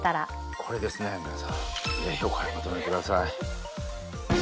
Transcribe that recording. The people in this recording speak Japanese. これですね皆さんぜひお買い求めください。